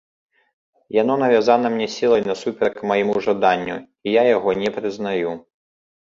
Яно навязана мне сілай насуперак майму жаданню, і я яго не прызнаю.